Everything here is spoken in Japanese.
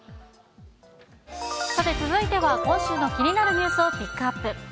さて、続いては今週の気になるニュースをピックアップ。